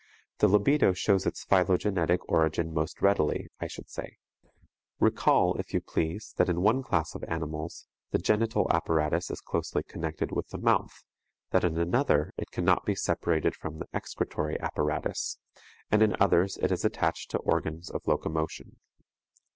The libido shows its phylogenetic origin most readily, I should say. Recall, if you please, that in one class of animals the genital apparatus is closely connected with the mouth, that in another it cannot be separated from the excretory apparatus, and in others it is attached to organs of locomotion.